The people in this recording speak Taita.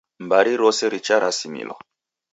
Mbari rose richarasimilwa